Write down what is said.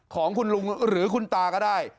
ของคุณลุงหรือคุณตาก็ได้